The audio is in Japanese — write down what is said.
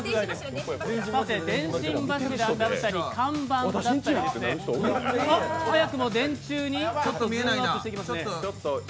電信柱だったり看板だったりあっ、早くも電柱にズームアウトしていきますね。